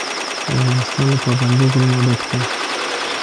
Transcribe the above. افغانستان له پابندی غرونه ډک دی.